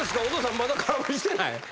お父さんまだ空振りしてない？